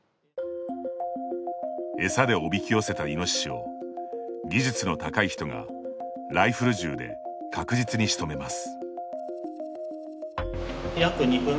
餌でおびき寄せたイノシシを技術の高い人がライフル銃で確実に仕留めます。